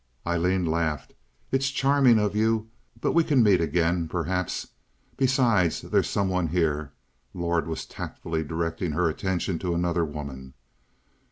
Aileen laughed. "It's charming of you, but we can meet again, perhaps. Besides, there's some one here"—Lord was tactfully directing her attention to another woman.